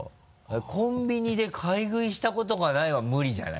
「コンビニで買い食いしたことがない」は無理じゃない？